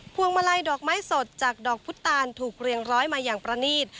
วงมาลัยดอกไม้สดจากดอกพุตาลถูกเรียงร้อยมาอย่างประนีต